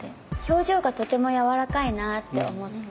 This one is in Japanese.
表情がとてもやわらかいなって思って。